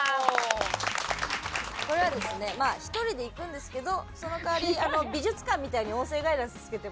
これはですねまあ１人で行くんですけどその代わり美術館みたいに音声ガイダンス着けて。